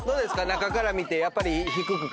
中から見てやっぱり。